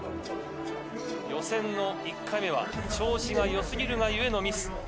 予選の１回目は、調子がよすぎるがゆえのミス。